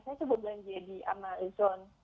saya coba belanja di amalizon